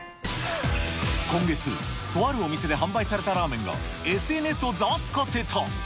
今月、とあるお店で販売されたラーメンが、ＳＮＳをざわつかせた。